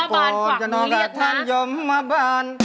ก่อนจะนอนกับท่านยมมาบ้าน